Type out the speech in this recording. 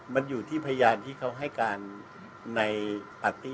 มันอยู่ที่พยานที่เขาให้การในปาร์ตี้